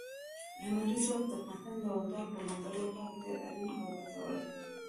لمریز ځواک د افغانستان د دوامداره پرمختګ لپاره ډېر اړین او ګټور دی.